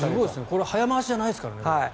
これ早回しじゃないですからね。